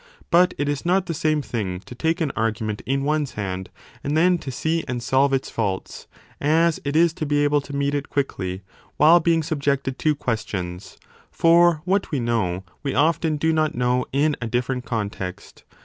2 But it is not 20 the same thing to take an argument in one s hand and then to see and solve its faults, as it is to be able to meet it quickly while being subjected to questions: for what we know, we often do not know in a different context.